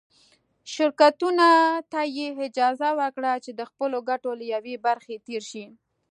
شرکتونو ته یې اجازه ورکړه چې د خپلو ګټو له یوې برخې تېر شي.